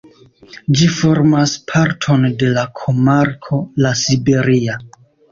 Ĝi formas parton de la komarko La Siberia.